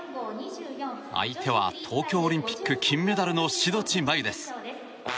相手は東京オリンピック金メダルの志土地真優です。